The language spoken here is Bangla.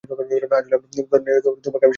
আসলে, আমার উদ্ভাবন দিয়েই আমি তোমাকে আবিষ্কার করি।